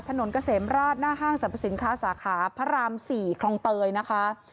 เกษมราชหน้าห้างสรรพสินค้าสาขาพระราม๔คลองเตยนะคะ